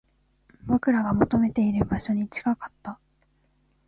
僕らが求めている場所に近かった